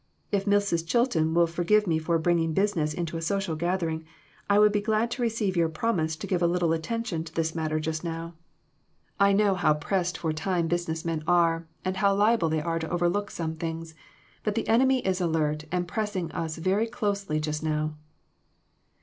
If Mrs. Chilton will for give me for bringing business into a social gather ing, I would be glad to receive your promise to give a little attention to this matter just now. I EMBARRASSING QUESTIONS. 323 know how pressed for time business men are, and how liable they are to overlook some things, but the enemy is alert and pressing us very closely just now."